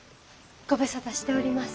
ご無沙汰しております。